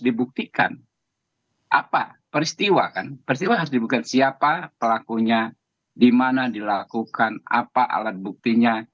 dibuktikan apa peristiwa kan persiapkan siapa pelakunya dimana dilakukan apa alat buktinya